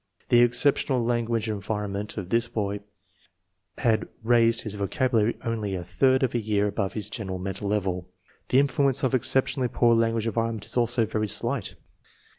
The exceptional language environment of this boy had raised his vocabulary only a third of a year above his general mental level. The influence of exceptionally poor language environment is also very slight.